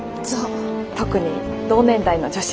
特に同年代の女子に。